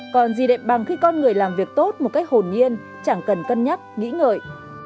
còn gì đệm bằng khi con người làm việc tốt một cách hồn nhiên chẳng cần cân nhắc nghĩ ngợi